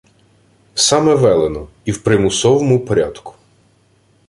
Саме велено, і в примусовому порядку